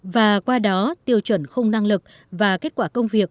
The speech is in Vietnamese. và qua đó tiêu chuẩn khung năng lực và kết quả công việc